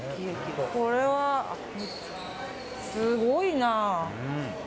これはすごいな。